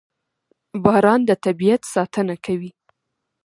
• باران د طبیعت ساتنه کوي.